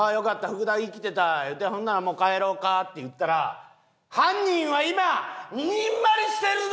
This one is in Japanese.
言うて「ほんならもう帰ろうか」って言ったら犯人は今にんまりしてるぞ！